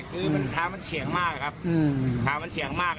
คือทางมันเฉียงมากครับปากมันเฉียงมาก